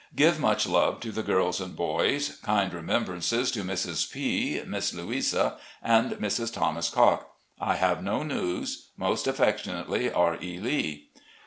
G^ve much love to the girls and boys — ^kind remembrances to Mrs. P., Miss Louisa, and Mrs. Thos. Cocke. I have no news. Most affectionately, R. E. Lee.